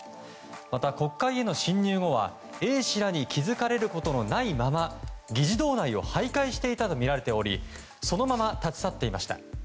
また、国会への侵入後は衛視らに気づかれることのないまま議事堂内を徘徊していたとみられておりそのまま立ち去っていました。